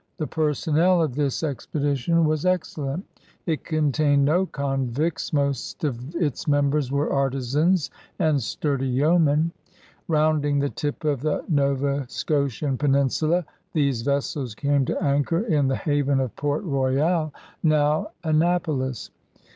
The personnel of this expedition was 86 CRUSADERS OF NEW FRANCE excellent: it contained no convicts; most of itg members were artisans and sturdy yeomen. Rounding the tip of the Nova Scotian peninsula, these vessels came to anchor in the haven of Port Royal, now Annapolis.